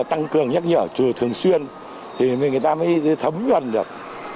tăng cường nhắc nhở trừ thường xuyên thì người ta mới thấm nhuận được